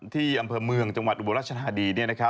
ที่อำเภอเมืองจังหวัดอุบลรัชธานี